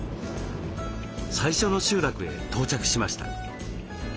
最初の集落へ到着しました。